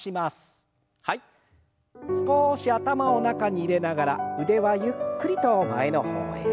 少し頭を中に入れながら腕はゆっくりと前の方へ。